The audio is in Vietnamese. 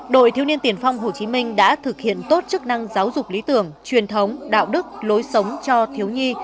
đội thiếu niên tiền phong hồ chí minh đã thực hiện tốt chức năng giáo dục lý tưởng truyền thống đạo đức lối sống cho thiếu nhi